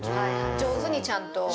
上手にちゃんと。